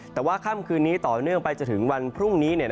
แต่ว่าค่ำคืนนี้ต่อเนื่องไปจนถึงวันพรุ่งนี้